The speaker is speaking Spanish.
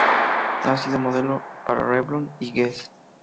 Ha sido modelo para Revlon y Guess?.